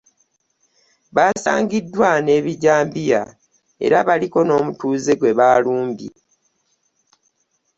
Baasangiddwa n'ebijambiya era baliko n'omutuuze gwe baalumbye